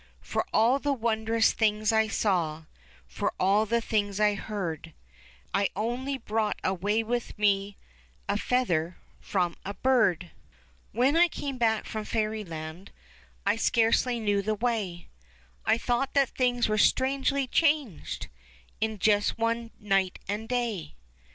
For all the wondrous things I For all the things I heard, I only brought away with me A feather from a bird. 159 i6o THE CHILDREN'S WONDER BOOK. When I came back from fairyland I scarcely knew the way ; I thought that things were strangely changed In just one night and day.